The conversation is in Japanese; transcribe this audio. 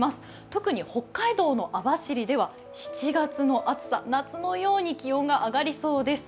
特に北海道の網走では７月の暑さ、夏のように気温が上がりそうです。